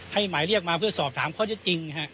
ให้หมายเรียกมาเพื่อสอบ๓ข้อเจ้าจริงครับ